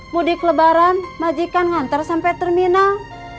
mudi ke lebaran majikan ngantar sampe terminal